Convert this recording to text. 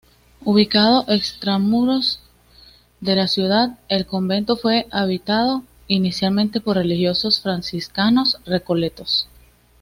Ubicado extramuros de la ciudad, el Convento fue habitado inicialmente por religiosos Franciscanos Recoletos.